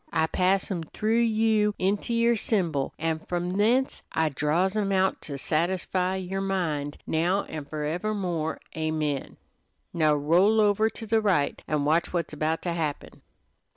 I pass 'em through you into yer symbol, an' from thence I draws 'em out to satisfy yer mind now and forever more, amen. Now roll over to the right an' watch what's about to happen."